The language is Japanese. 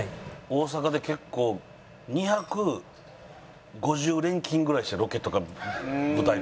大阪で結構２５０連勤ぐらいしてロケとか舞台とか。